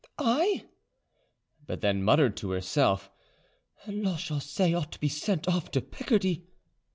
I?" but then muttered to herself: "Lachaussee ought to be sent off to Picardy."